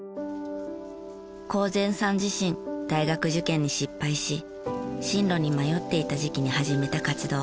幸前さん自身大学受験に失敗し進路に迷っていた時期に始めた活動。